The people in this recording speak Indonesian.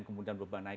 kemudian beban naik